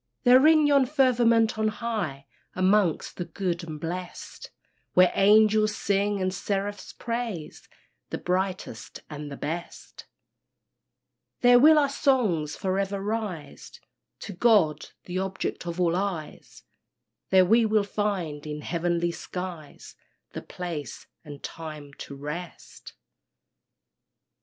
There in yon firmament on high, Amongst the good and blest, Where angels sing and seraphs praise The brightest and the best There will our songs for ever rise To God, the Object of all eyes, There we will find in heavenly skies The place and time to rest.